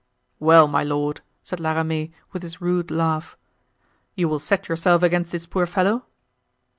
"Well, my lord," said La Ramee, with his rude laugh, "you still set yourself against this poor fellow?"